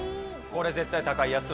これ絶対高いやつ。